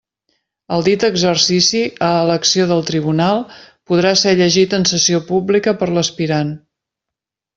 El dit exercici, a elecció del tribunal, podrà ser llegit en sessió pública per l'aspirant.